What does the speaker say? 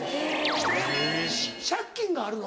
えっ借金があるの？